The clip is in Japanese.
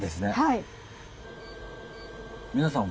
はい。